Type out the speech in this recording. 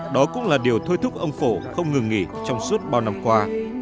đó cũng là điều thôi thúc ông phổ không ngừng nghỉ trong suốt bao năm qua